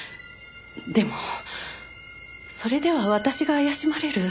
でもそれでは私が怪しまれる。